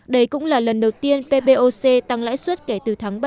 đấy cũng là lần đầu tiên pboc tăng lãi suất kể từ tháng bảy năm hai nghìn một mươi một